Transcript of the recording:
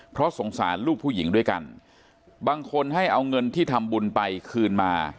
เพราะสงสารลูกผู้หญิงด้วยกันบางคนให้เอาเงินที่ทำบุญไปคืนมา